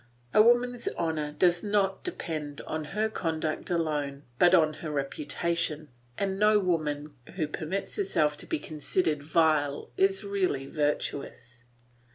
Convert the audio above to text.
A woman's honour does not depend on her conduct alone, but on her reputation, and no woman who permits herself to be considered vile is really virtuous.